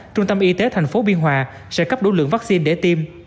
trung tâm y tế thành phố biên hòa sẽ cấp đủ lượng vaccine để tiêm